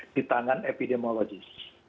di tangan epidemiologis